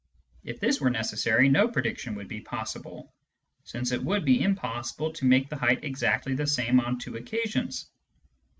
If this were necessary, no prediction would be possible, since it would be impossible to make the height exactly the same on two occasions.